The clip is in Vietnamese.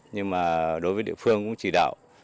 nhưng mà đối với địa phương cũng chỉ đạo